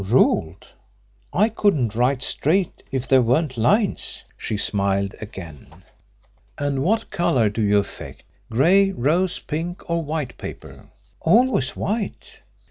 "Ruled. I couldn't write straight if there weren't lines." She smiled again. "And what colour do you affect grey, rose pink or white paper?" "Always white."